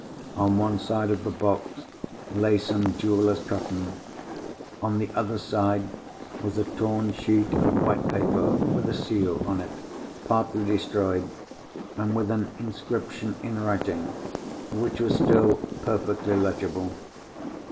On one side of the box lay some jewellers' cotton. On the other side, was a torn sheet of white paper, with a seal on it, partly destroyed, and with an inscription in writing, which was still perfectly legible.